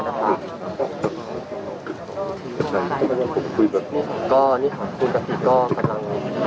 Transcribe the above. สวัสดีครับ